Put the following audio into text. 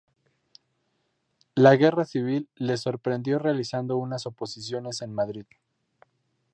La Guerra Civil le sorprendió realizando una oposiciones en Madrid.